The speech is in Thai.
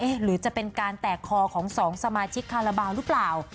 หรือจะเป็นการแตกคอของสองสมาชิกคาราบาลหรือเปล่า